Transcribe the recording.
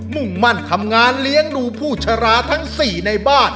มุ่งมั่นทำงานเลี้ยงดูผู้ชราทั้ง๔ในบ้าน